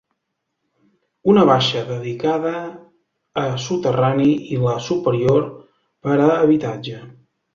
Una baixa dedicada a soterrani i la superior per a habitatge.